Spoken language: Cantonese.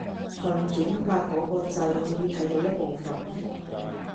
撳轉發嗰個掣可以睇到一部分